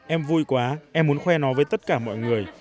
em vui quá em muốn khoe nó với tất cả mọi người